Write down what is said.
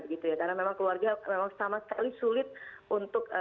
karena memang keluarga memang sama sekali sulit untuk